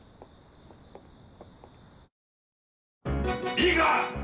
いいか！